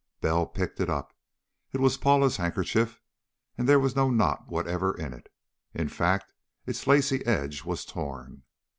Bell picked it up. It was Paula's handkerchief, and there was no knot whatever in it. In fact, its lacy edge was torn.